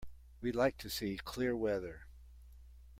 We like to see clear weather.